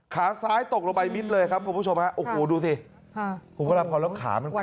ขาซ้ายตกลงไปมิดเลยครับคุณผู้ชมครับดูสิผมก็รับความรักขามันกู้แหละ